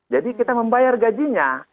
jadi kita membayar gajinya